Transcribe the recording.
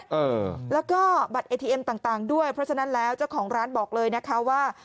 เออแล้วก็บัตรเอทีเอ็มต่างต่างด้วยเพราะฉะนั้นแล้วเจ้าของร้านบอกเลยนะคะว่า